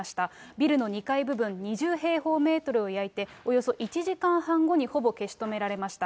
ビルの２階部分２０平方メートルを焼いて、およそ１時間半後にほぼ消し止められました。